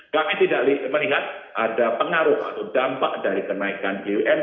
kami tidak melihat ada pengaruh atau dampak dari kenaikan un